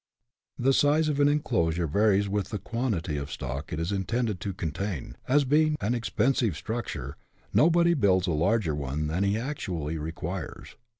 The size of an enclosure varies with the quantity of stock it is intended to contain, as, being an expensive structure, nobody builds a larger one than he actually requires.